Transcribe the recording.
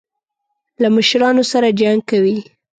له مشرانو سره جنګ کوي.